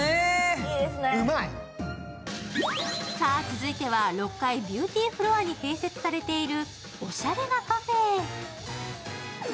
続いては６階ビューティーフロアに併設されているおしゃれなカフェへ。